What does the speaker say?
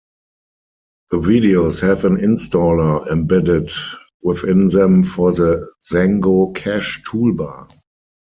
The videos have an installer embedded within them for the Zango Cash Toolbar.